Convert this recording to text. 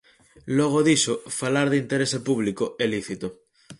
Logo diso, falar de interese público é lícito.